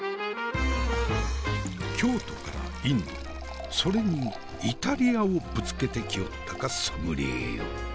京都からインドそれにイタリアをぶつけてきおったかソムリエよ。